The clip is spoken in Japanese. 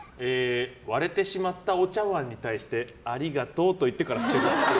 割れてしまったお茶わんに対してありがとうと言ってから捨てるっぽい。